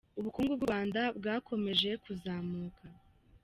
Ubukungu bw’u Rwanda bwakomeje kuzamuka